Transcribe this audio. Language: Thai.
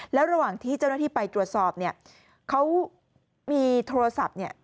แล้วระหว่างที่เจ้าหน้าที่ไปตรวจสอบเนี่ยเขามีโทรศัพท์เนี่ย